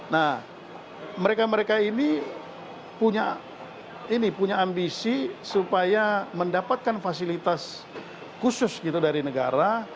nah mereka mereka ini punya ambisi supaya mendapatkan fasilitas khusus gitu dari negara